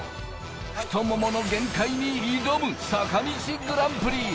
太ももの限界に挑む坂道グランプリ。